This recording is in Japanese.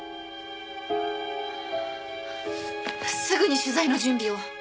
すぐに取材の準備を。